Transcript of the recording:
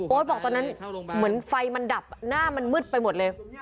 บอกตอนนั้นเหมือนไฟมันดับหน้ามันมืดไปหมดเลย